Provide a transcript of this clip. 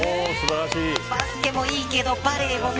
バスケもいいけどバレーもね。